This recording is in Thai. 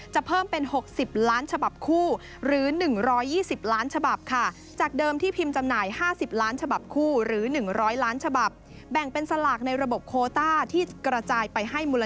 เพิ่มเป็น๖๐ล้านฉบับคู่หรือ๑๒๐ล้านฉบับค่ะ